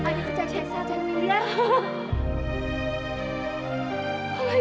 ayu gak tau dari siapa ayu